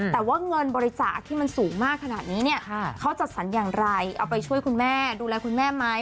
แต่ว่าเงินบริจาคที่มันสูงมากขนาดนี้เนี่ยเขาจัดสรรอย่างไรเอาไปช่วยคุณแม่ดูแลคุณแม่ไหม